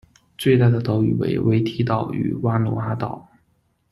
最大的岛屿为维提岛与瓦努阿岛。